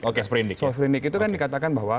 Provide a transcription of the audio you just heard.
oke sprindik itu kan dikatakan bahwa